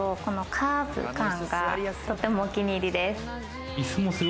カーブ感がとても気お気に入りです。